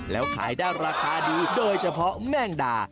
แล้วขายได้ราคาดีโดยเฉพาะแม่งดา